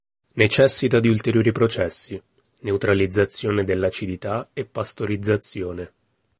Necessita di ulteriori processi, neutralizzazione dell'acidità e pastorizzazione.